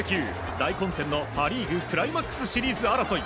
大混戦のパ・リーグクライマックスシリーズ争い。